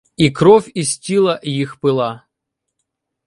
І кров із тіла їх пила.